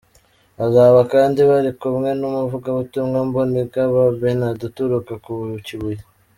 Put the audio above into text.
Bazaba kandi bari kumwe n'umuvugabutumwa Mbonigaba Bernard uturuka ku Kibuye.